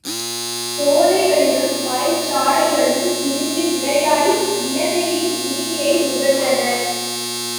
சோலைகளிலும், மலைச்சாரல்களிலும் திரிந்து விளையாடி இளமையின் இனிமையை நுகர்ந்தனர்.